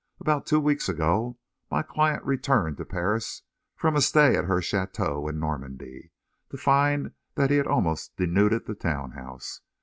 About two weeks ago, my client returned to Paris from a stay at her château in Normandy to find that he had almost denuded the town house.